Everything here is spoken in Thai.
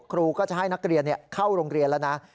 ครูก็จะให้นักเรียนเข้าโรงเรียนแล้วนะ